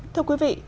thưa quý vị